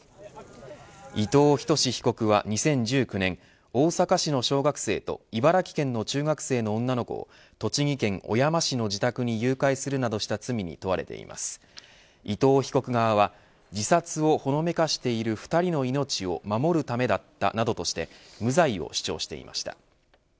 伊藤仁士被告は２０１９年大阪市の小学生と茨城県の中学生の女の子を栃木県小山市の自宅に誘拐するなどした罪に問われています、伊藤被告側は自殺をほのめかしている２人の命を守るためだったなどとして無罪を主張していました。